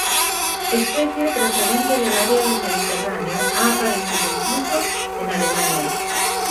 Especie procedente del área del mediterráneo, ha aparecido incluso en Alemania.